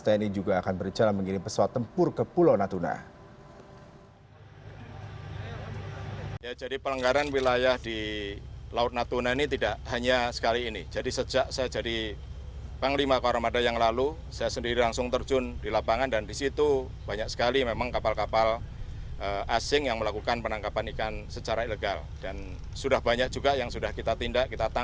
wilayah ini juga akan berjalan mengirim pesawat tempur ke pulau natuna